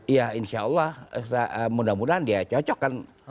ya insya allah mudah mudahan dia cocok kan